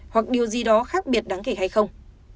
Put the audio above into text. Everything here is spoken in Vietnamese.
hoặc điều gì đó khác biệt đáng kể hay không